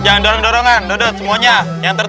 jangan dorong dorongan dodot semuanya